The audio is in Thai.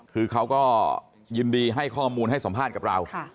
คือเขาก็ยินดีให้ข้อมูลให้สัมภาษณ์กับเรา